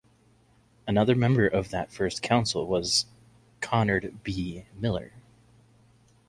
Another member of that first council was Conrad B. Miller.